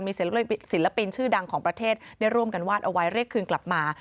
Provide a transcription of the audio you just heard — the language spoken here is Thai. ศิลปินชื่อดังของประเทศได้ร่วมกันวาดเอาไว้เรียกคืนกลับมา